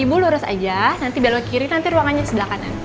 ibu lurus aja nanti belok kiri nanti ruangannya sebelah kanan